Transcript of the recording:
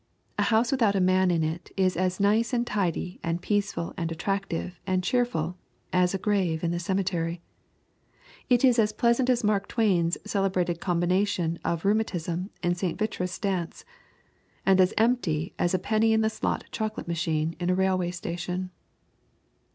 A house without a man in it is as nice and tidy and peaceful and attractive and cheerful as a grave in a cemetery. It is as pleasant as Mark Twain's celebrated combination of rheumatism and St. Vitus dance, and as empty as a penny in the slot chocolate machine in a railway station.